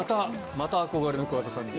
また憧れの桑田さんに。